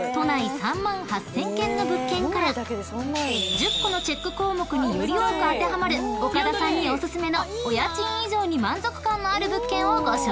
［１０個のチェック項目により多く当てはまる岡田さんにおすすめのお家賃以上に満足感のある物件をご紹介！］